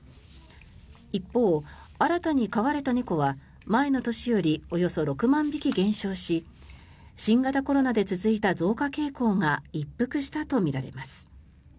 一方、新たに飼われた猫は前の年よりおよそ６万匹減少し新型コロナで続いた増加傾向が一服したとみられます。